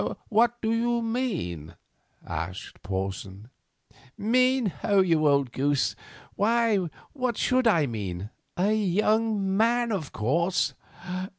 What do you mean?" asked Porson. "Mean, you old goose? Why, what should I mean? A young man, of course."